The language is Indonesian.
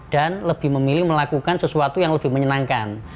dan lebih memilih melakukan sesuatu yang lebih menyenangkan